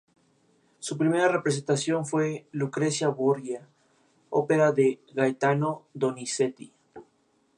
Eliminando a antagonistas como U bo y Go bok-jang, se coronó como rey.